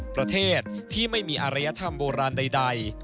ประเทศที่ไม่มีอารยธรรมโบราณใด